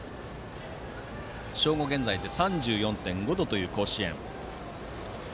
正午現在で３４．５度という甲子園。